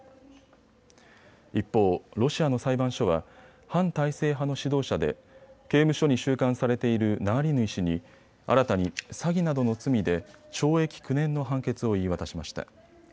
一方、ロシアの裁判所は反体制派の指導者で刑務所に収監されているナワリヌイ氏に新たに詐欺などの罪で懲役９年の判決を言い渡しました。